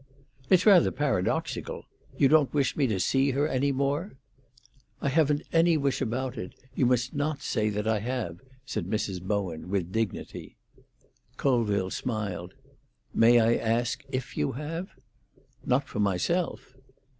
"It's rather paradoxical. You don't wish me to see her any more?" "I haven't any wish about it; you must not say that I have," said Mrs. Bowen, with dignity. Colville smiled. "May I ask if you have?" "Not for myself."